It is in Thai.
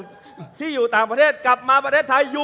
คุณจิลายุเขาบอกว่ามันควรทำงานร่วมกัน